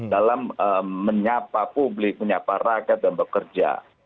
dalam menyapa publik menyapa rakyat dan bekerja